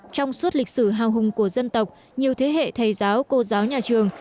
trong suốt lịch sử hào hùng của dân tộc nhiều thế hệ thầy giáo cô giáo nhà trường